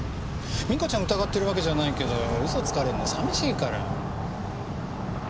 ミカちゃんを疑ってるわけじゃないけどウソつかれるの寂しいから。